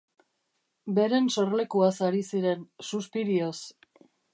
Beren sorlekuaz ari ziren, suspirioz.